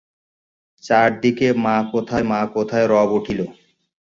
চারি দিকে মা কোথায়, মা কোথায় রব উঠিল।